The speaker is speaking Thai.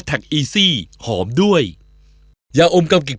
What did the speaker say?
ไม่เห็นได้กลิ่นหรอ